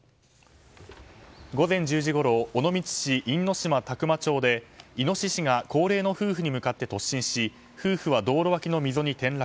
午前１０時ごろ尾道市因島田熊町でイノシシが高齢の夫婦に向かって突進し夫婦は道路脇の溝に転落。